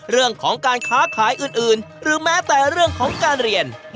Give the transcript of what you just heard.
เรื่องของการค้าขายอื่นหรือแม้แต่เรื่องของการเรียน